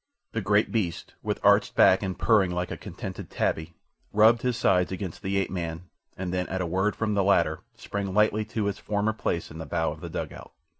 The great beast, with arched back and purring like a contented tabby, rubbed his sides against the ape man, and then at a word from the latter sprang lightly to his former place in the bow of the dugout.